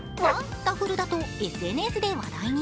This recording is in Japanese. ダフルだとＳＮＳで話題に。